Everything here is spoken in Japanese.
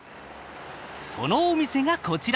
そのお店がこちら。